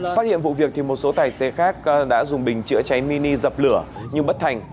phát hiện vụ việc thì một số tài xế khác đã dùng bình chữa cháy mini dập lửa nhưng bất thành